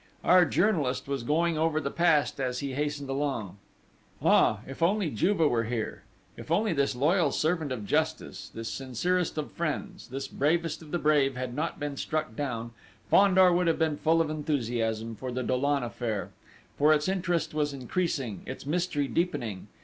Our journalist was going over the past as he hastened along: Ah, if only Juve were here! If only this loyal servant of Justice, this sincerest of friends, this bravest of the brave, had not been struck down, Fandor would have been full of enthusiasm for the Dollon affair; for its interest was increasing, its mystery deepening!